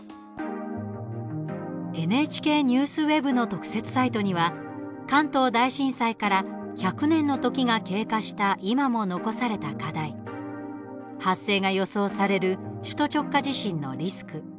「ＮＨＫＮＥＷＳＷＥＢ」の特設サイトには、関東大震災から１００年の時が経過した今も残された課題発生が予想される首都直下地震のリスク